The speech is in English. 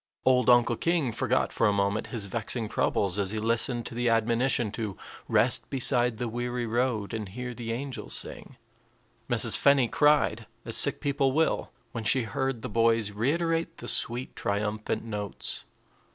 Old Uncle King forgot for a moment his vexing troubles as he listened to the admonition to "rest beside the weary road and hear the angels sing." Mrs. Fenny cried, as sick people will, when she heard the boys reiterate the sweet, triumphant notes.